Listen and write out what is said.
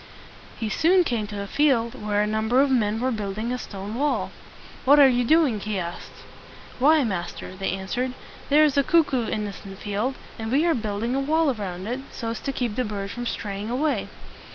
He soon came to a field where a number of men were building a stone wall. "What are you doing?" he asked. "Why, master," they answered, "there is a cuck oo in this field, and we are building a wall around it so as to keep the bird from straying away."